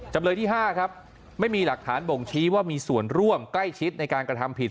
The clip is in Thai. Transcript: จำเลยที่๕ครับไม่มีหลักฐานบ่งชี้ว่ามีส่วนร่วมใกล้ชิดในการกระทำผิด